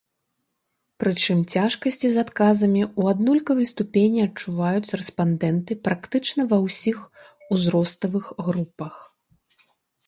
Прычым цяжкасці з адказамі ў аднолькавай ступені адчуваюць рэспандэнты практычна ва ўсіх узроставых групах.